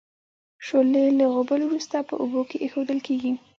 شولې له غوبل وروسته په اوبو کې اېښودل کیږي.